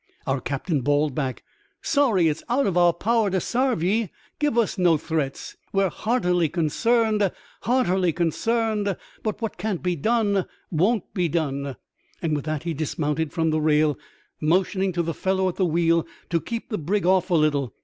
Our captain bawled back, " Sorry it's out of our power to sarve ye. Give us no threats. We're heartily consamed, heartily consarned. But what can't be done wo7i't be done." With that he dismounted from the rail, motioning to the fellow at the wheel to keep the brig off a little.